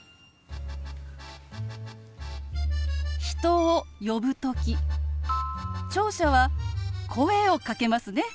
人を呼ぶ時聴者は声をかけますね。